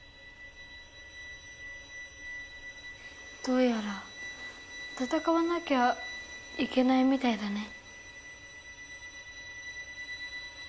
どうやらたたかわなきゃいけないみたいだね。